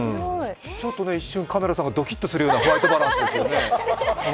ちょっと一瞬、カメラさんがドキっとするようなホワイトバランスですよね。